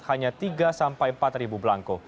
hanya tiga empat ribu belangko